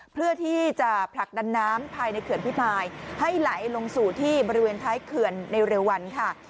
เพื่อที่จะผลักดันน้ำภายในเขื่อนพิมายให้ไหลลงสู่ที่บริเวณท้ายเขื่อนในเร็ววันค่ะ